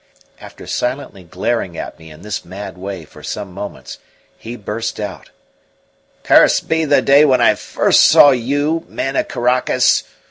After silently glaring at me in this mad way for some moments, he burst out: "Cursed be the day when I first saw you, man of Caracas!